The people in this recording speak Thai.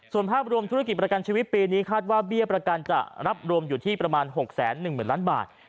ส่วนภาพรวมธุรกิจประกันชีวิตปีนี้คาดว่าเบี้ยประกันจะรับรวมอยู่ที่ประมาณ๖๑๐๐๐ล้านบาท